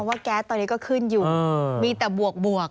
แก๊สตอนนี้ก็ขึ้นอยู่มีแต่บวก